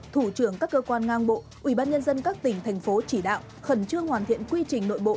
thủ trưởng các cơ quan ngang bộ ubnd các tỉnh thành phố chỉ đạo khẩn trương hoàn thiện quy trình nội bộ